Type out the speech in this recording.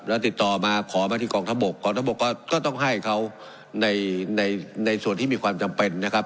แล้วติดต่อมาขอมาที่กองทัพบกกองทัพบกก็ต้องให้เขาในในส่วนที่มีความจำเป็นนะครับ